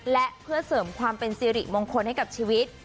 และเพื่อเสริมความเป็นสิริมงคลให้กับชีวิต